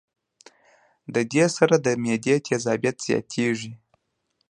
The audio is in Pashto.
د دې سره د معدې تېزابيت زياتيږي